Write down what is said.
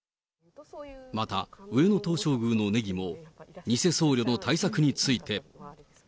また上野東照宮の禰宜も、偽僧侶の対策について。